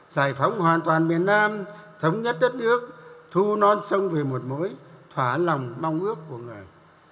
giải phóng hoàn toàn miền nam thống nhất đất nước thu non sông về một mối thỏa lòng mong ước của người